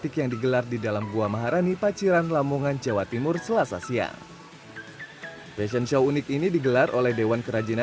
kemudian saya mulai terjun